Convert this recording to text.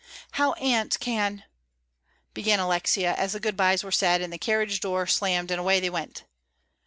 "How Aunt can " began Alexia, as the good bys were said and the carriage door slammed and away they went.